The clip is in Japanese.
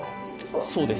そうです。